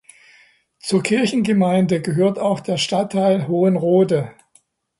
Zur Kirchengemeinde gehört auch der Stadtteil Hohenrode.